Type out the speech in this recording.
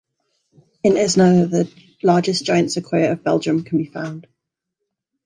In Esneux, the largest giant sequoia of Belgium can be found.